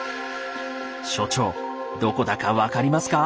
所長どこだか分かりますか？